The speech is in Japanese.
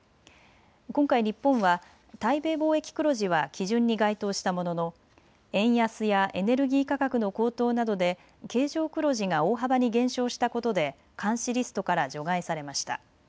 今回、日本は対米貿易黒字は基準に該当したものの円安やエネルギー価格の高騰などで経常黒字が大幅に減少したことで監視リストから除外されました。